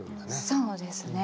そうですね。